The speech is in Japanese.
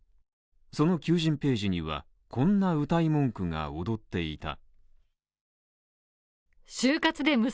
その求人ページには、こんなうたい文句がおどっていた。